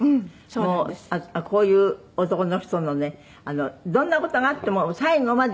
もうこういう男の人のねどんな事があっても最後までね